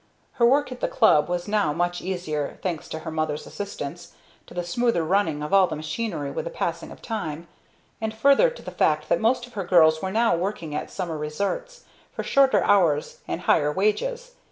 Her work at the club was now much easier, thanks to her mother's assistance, to the smoother running of all the machinery with the passing of time, and further to the fact that most of her girls were now working at summer resorts, for shorter hours and higher wages.